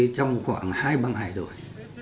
trong khoảng hai băng hải rồi